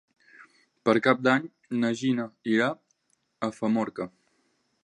Per Cap d'Any na Gina irà a Famorca.